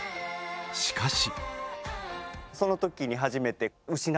しかし。